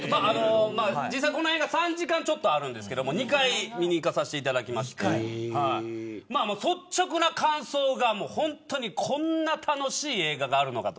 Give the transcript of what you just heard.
この映画３時間ちょっとあるんですけど２回見に行かせていただきまして率直な感想が本当にこんな楽しい映画があるのかと。